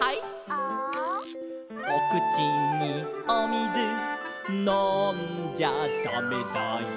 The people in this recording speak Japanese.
「ア」「おくちにおみずのんじゃだめだよ」